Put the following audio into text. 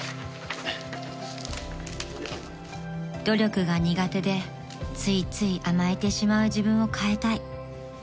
［努力が苦手でついつい甘えてしまう自分を変えたい］